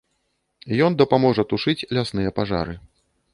Ён дапаможа тушыць лясныя пажары.